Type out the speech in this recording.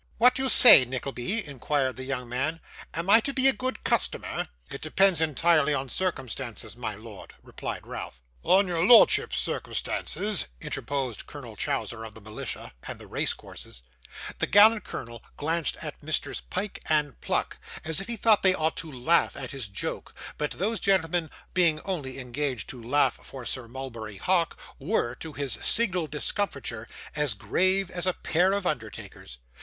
'What do you say, Nickleby?' inquired the young man; 'am I to be a good customer?' 'It depends entirely on circumstances, my lord,' replied Ralph. 'On your lordship's circumstances,' interposed Colonel Chowser of the Militia and the race courses. The gallant colonel glanced at Messrs Pyke and Pluck as if he thought they ought to laugh at his joke; but those gentlemen, being only engaged to laugh for Sir Mulberry Hawk, were, to his signal discomfiture, as grave as a pair of undertakers.